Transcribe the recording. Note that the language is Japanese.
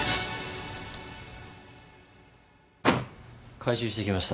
回収してきました。